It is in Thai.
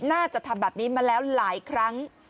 น่าจะทำแบบนี้มาแล้วหลายครั้ง